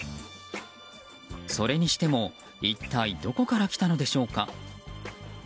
それにしても一体、どこから来たのでしょうか。